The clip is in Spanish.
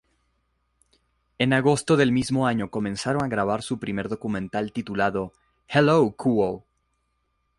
En agosto del mismo año comenzaron a grabar su primer documental titulado "Hello Quo!